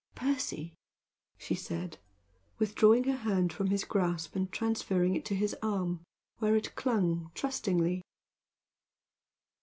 "Percy!" she said, withdrawing her hand from his grasp and transferring it to his arm, where it clung trustingly.